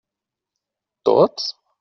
Tots?